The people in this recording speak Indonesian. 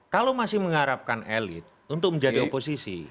kalau masih mengharapkan elit untuk menjadi oposisi